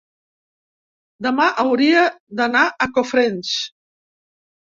Demà hauria d'anar a Cofrents.